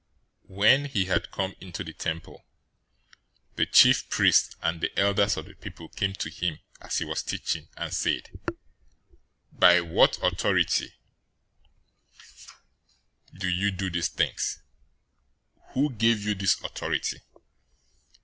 021:023 When he had come into the temple, the chief priests and the elders of the people came to him as he was teaching, and said, "By what authority do you do these things? Who gave you this authority?"